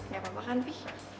gak apa apa kan fi